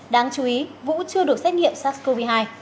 đáng chú ý vũ chưa được xét nghiệm sars cov hai